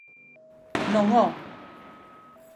Non, ¡oh!